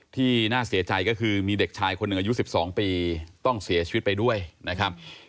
ที่น่าเสียใจก็คือมีเด็กชายคนหนึ่งอายุ๑๒ปีต้องเสียชีวิตไปด้วยนะครับ